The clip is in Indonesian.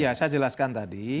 ya saya jelaskan tadi